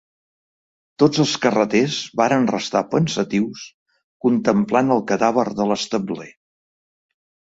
Tots els carreters varen restar pensatius contemplant el cadàver de l'establer.